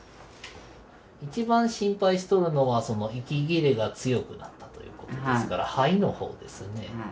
一番心配しとるのはその息切れが強くなったということですから肺の方ですね。